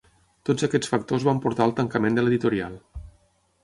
Tots aquests factors van portar al tancament de l'editorial.